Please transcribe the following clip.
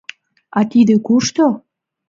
А тиде кушто?